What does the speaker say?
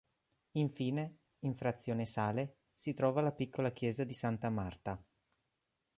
Infine, in frazione Sale, si trova la piccola chiesa di S. Marta.